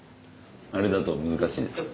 あれだと難しいですか？